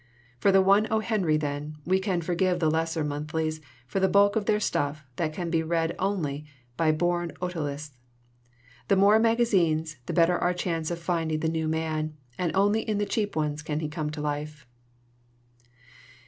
"For one O. Henry, then, we can forgive the lesser monthlies for the bulk of their stuff that can be read only by born otoliths. The more magazines, the better our chance of finding the new man, and only in the cheap ones can he come to life."